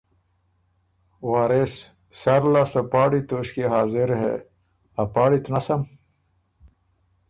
وارث: ”سر لاسته پاړی توݭکيې حاضر هې“ ا پاړی ت نسم؟